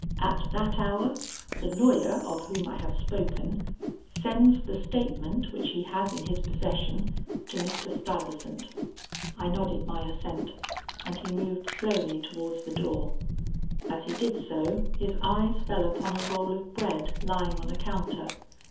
At that hour the lawyer of whom I have spoken, sends the statement which he has in his possession to Mr. Stuyvesant.' I nodded my assent, and he moved slowly towards the door. As he did so, his eyes fell upon a roll of bread lying on a counter.